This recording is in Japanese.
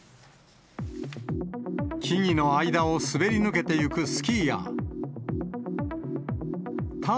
木々の間を滑り抜けていくスキーヤー。